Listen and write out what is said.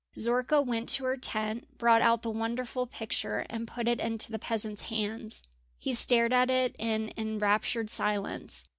Zorka went to her tent, brought out the wonderful picture, and put it into the peasant's hands. He stared at it in enraptured silence.